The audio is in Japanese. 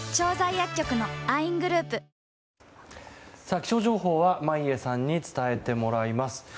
気象情報は眞家さんに伝えてもらいます。